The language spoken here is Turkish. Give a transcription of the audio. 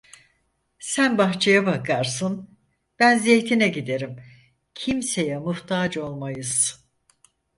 Sen bahçeye bakarsın, ben zeytine giderim, kimseye muhtaç olmayız…